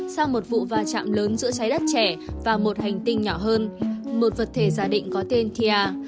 sau một vụ va chạm lớn giữa trái đất trẻ và một hành tinh nhỏ hơn một vật thể giả định có tên kia